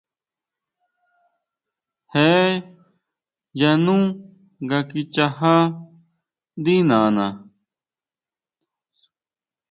Je yanú nga kichajá ndí nana.